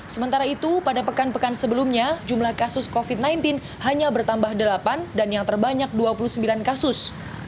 sementara itu pada pekan pekan sebelumnya jumlah kasus covid sembilan belas hanya bertambah delapan dan yang terbanyak dua puluh sembilan kasus